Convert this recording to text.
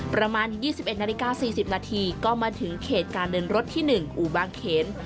ประมาณ๒๑นาฬิกา๔๐นาทีก็มาถึงเขตการเดินรถที่๑อู่บางเขน